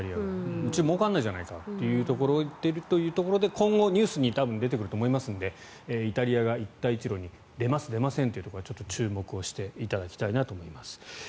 うち、もうからないんじゃないかということを言っているというところで今後、ニュースに出てくると思いますのでイタリアが一帯一路に出ます、出ませんというところはちょっと注目していただきたいと思います。